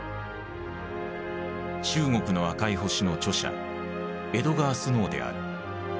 「中国の赤い星」の著者エドガー・スノーである。